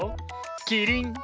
キリン！